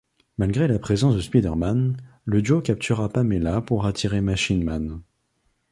Malgré la présence de Spider-Man, le duo captura Pamela pour attirer Machine Man.